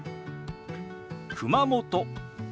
「熊本」。